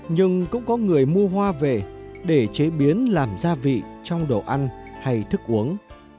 nhưng cũng có người mua hoa về để chế biến làm gia vị trong đồ ăn hay thức uống